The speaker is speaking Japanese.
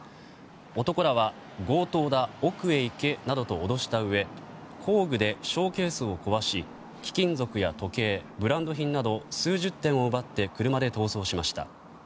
男らは、強盗だ奥へ行けなどと脅したうえ工具でショーケースを壊し貴金属や時計ブランド品など数十点を奪って車で逃走しました。